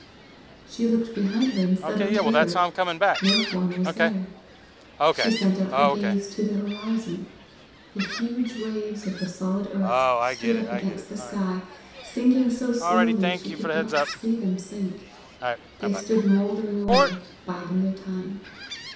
She looked behind her in sudden terror: 110 form was there. She sent out her gaze to the horizon: the huge waves of the solid earth stood up against the sky, sinking so slowly she could not see them sink: they stood mouldering away, biding their time.